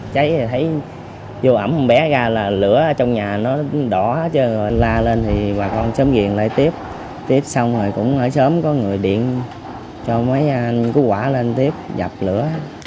cháy thì thấy vô ẩm một bé ra là lửa trong nhà nó đỏ la lên thì bà con sớm ghiền lại tiếp tiếp xong rồi cũng sớm có người điện cho mấy anh cú quả lên tiếp dập lửa